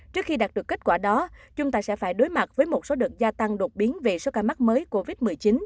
trước khi đạt được kết quả đó chúng ta sẽ phải đối mặt với một số đợt gia tăng đột biến về số ca mắc mới covid một mươi chín